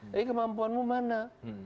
tapi kemampuanmu mana